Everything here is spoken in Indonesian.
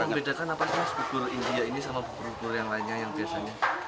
membedakan apa sih mas bubur india ini sama bubur bubur yang lainnya yang biasanya